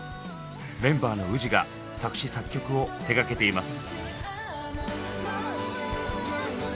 メンバーのＷＯＯＺＩが作詞作曲を手がけています。